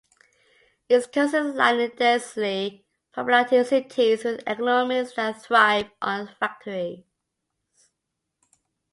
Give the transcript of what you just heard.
Its coast is lined with densely populated cities with economies that thrive on factories.